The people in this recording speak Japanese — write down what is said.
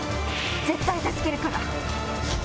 絶対助けるから。